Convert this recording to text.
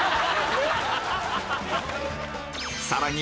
さらに